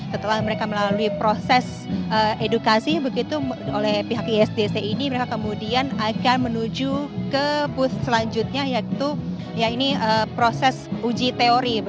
setelah mereka melalui proses edukasi begitu oleh pihak isdc ini mereka kemudian akan menuju ke push selanjutnya yaitu proses uji teori